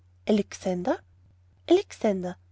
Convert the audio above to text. "Alexander!" "Alexander.